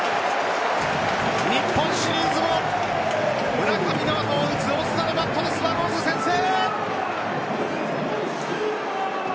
日本シリーズも村上の後を打つオスナのバットでスワローズ先制！